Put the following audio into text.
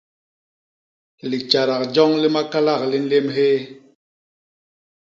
Litjadak joñ li makalak li nlém hyéé.